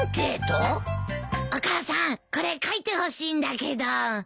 お母さんこれ書いてほしいんだけど。